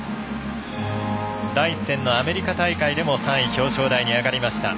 第１戦のアメリカ大会でも３位表彰台に上がりました。